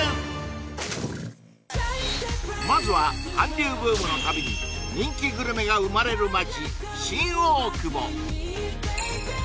まずは韓流ブームのたびに人気グルメが生まれる街